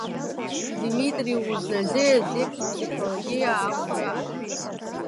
Димитри Узнаӡе Азеиԥш ԥсихологиа ахәра ашәит.